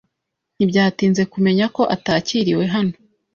Ntibyatinze kumenya ko atakiriwe hano.